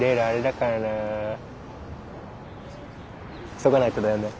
うん？急がないとだよね。